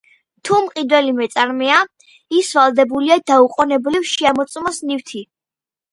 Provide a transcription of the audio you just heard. თუ მყიდველი მეწარმეა, ის ვალდებულია დაუყოვნებლივ შეამოწმოს ნივთი.